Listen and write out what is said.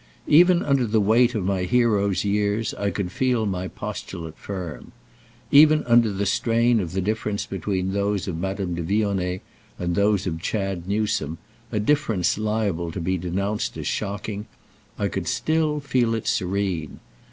Even under the weight of my hero's years I could feel my postulate firm; even under the strain of the difference between those of Madame de Vionnet and those of Chad Newsome, a difference liable to be denounced as shocking, I could still feel it serene.